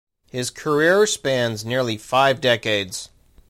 His career spans nearly five decades.